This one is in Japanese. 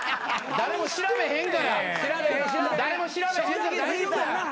誰も調べへんよ。